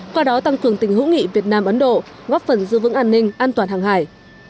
qua đó tăng cường tình hữu nghị việt nam ấn độ góp phần giữ vững an ninh an toàn hàng hải